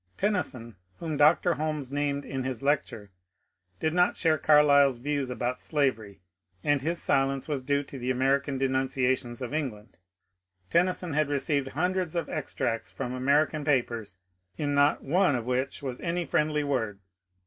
Tennyson, whom Dr. Holmes named ^ in his lecture, did not share Carlyle's views about slavery, and his silence was due to the American denunciations of Eng land. Tennyson had received hundreds of extracts from American papers in not one of which was any friendly word.